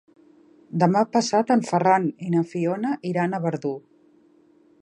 Demà passat en Ferran i na Fiona iran a Verdú.